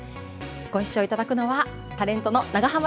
ご一緒いただくのはタレントの長濱ねるさんです。